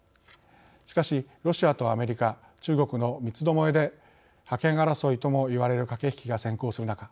しかしロシアとアメリカ中国の三つどもえで覇権争いともいわれる駆け引きが先行する中